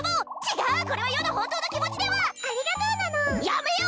違うこれは余の本当の気持ちではありがとうなのやめよ！